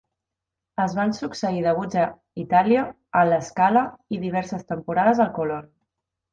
Es van succeir debuts a Itàlia, a La Scala i diverses temporades al Colón.